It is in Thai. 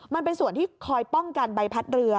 มันเป็นส่วนที่คอยป้องกันใบพัดเรือ